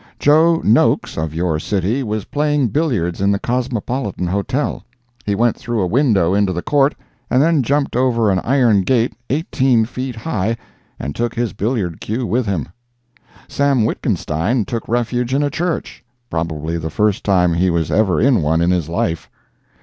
Joe Noques, of your city, was playing billiards in the Cosmopolitan Hotel. He went through a window into the court and then jumped over an iron gate eighteen feet high, and took his billiard cue with him. Sam Witgenstein took refuge in a church—probably the first time he was ever in one in his life.